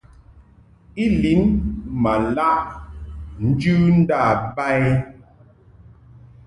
I lin ma laʼ njɨ nda ba i.